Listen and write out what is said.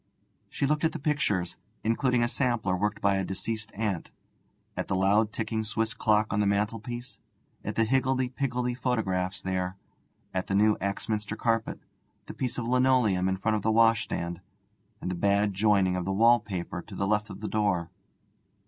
She looked at the pictures, including a sampler worked by a deceased aunt, at the loud ticking Swiss clock on the mantelpiece, at the higgledy piggledy photographs there, at the new Axminster carpet, the piece of linoleum in front of the washstand, and the bad joining of the wallpaper to the left of the door.